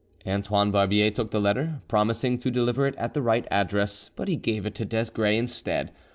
Antoine Barbier took the letter, promising to deliver it at the right address; but he gave it to Desgrais instead.